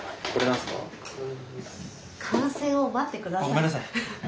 ごめんなさい。